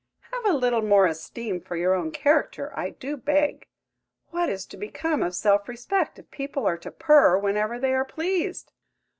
Have a little more esteem for your own character, I do beg! What is to become of self respect if people are to purr whenever they are pleased?"